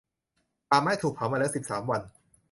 ป่าไม้ถูกเผามาแล้วสิบสามวัน